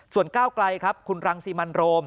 ส่วนก้าวไกลครับคุณรังสิมันโรม